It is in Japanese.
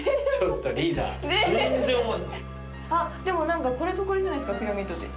あっでも何かこれとこれじゃないですかピラミッドって。